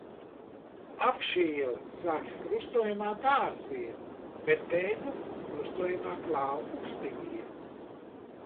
Apšu iela sākas krustojumā ar Dārza ielu, bet beidzas krustojumā ar Klāva Ukstiņa ielu.